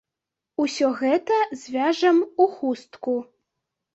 Усё гэта звяжам у хустку.